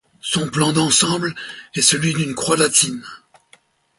Son plan d’ensemble est celui d’une croix latine.